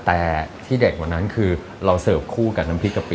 แต่ที่เด็ดกว่านั้นคือเราเสิร์ฟคู่กับน้ำพริกกะปิ